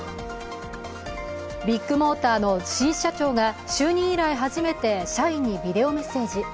ビッグモーターの新社長が就任以来初めて社員にビデオメッセージ。